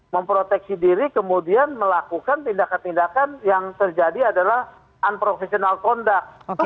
memproteksi diri kemudian melakukan tindakan tindakan yang terjadi adalah unprofessional conduct